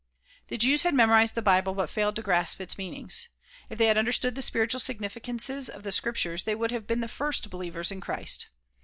The Jews had memorized the bible but failed to grasp its meaning's. If they had understood the spiritual significances of the scriptures they would have been the first believers in Christ.